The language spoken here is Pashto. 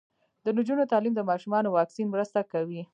د نجونو تعلیم د ماشومانو واکسین مرسته کوي.